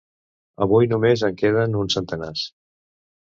Avui només en queden uns centenars.